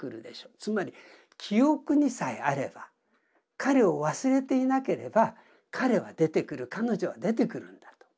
つまり記憶にさえあれば彼を忘れていなければ彼は出てくる彼女は出てくるんだと。